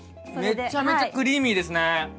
めちゃめちゃクリーミーですね。